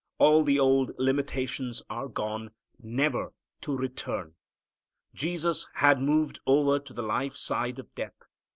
All the old limitations are gone, never to return. Jesus had moved over to the life side of death.